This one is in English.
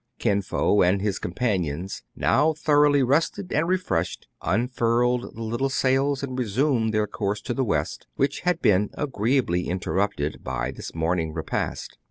Kin Fo and his companions, now thoroughly rested and refreshed, unfurled the little sails, and resumed their course to the west, which had been agreeably interrupted by this morning repast.